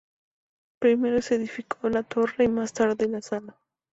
Primero se edificó la torre, y más tarde, la sala.